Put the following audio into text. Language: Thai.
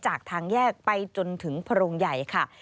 จากทางแยกไปจนถึงโพรงใหญ่ค่ะ